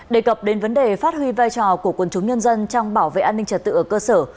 đề cập đến vấn đề phát huy vai trò của quân chúng nhân dân trong bảo vệ an ninh trật tự ở cơ sở